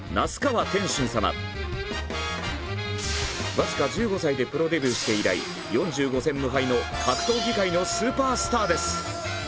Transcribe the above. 僅か１５歳でプロデビューして以来４５戦無敗の格闘技界のスーパースターです。